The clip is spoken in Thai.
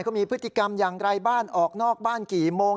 เขามีพฤติกรรมอย่างไรบ้านออกนอกบ้านกี่โมง